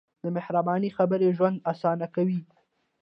د مهربانۍ خبرې ژوند اسانه کوي.